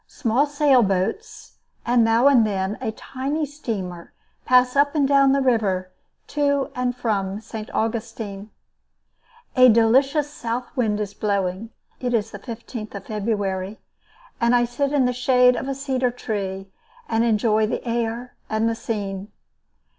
Small sailboats, and now and then a tiny steamer, pass up and down the river to and from St. Augustine. A delicious south wind is blowing (it is the 15th of February), and I sit in the shade of a cedar tree and enjoy the air and the scene.